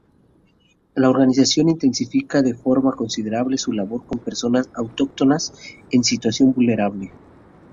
La organización intensifica de forma considerable su labor con personas autóctonas en situación vulnerable.